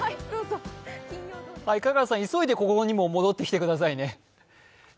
香川さん、急いでここにも戻ってきてくださいね。